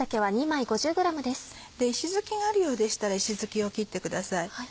石突きがあるようでしたら石突きを切ってください。